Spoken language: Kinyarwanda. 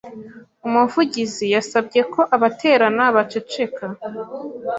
Umuvugizi yasabye ko abaterana baceceka.